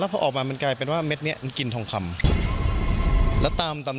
แล้วพอออกมามันกลายเป็นว่าเม็ดเนี่ยกลิ่นทองคำ